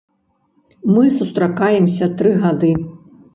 Мы сустракаемся тры гады.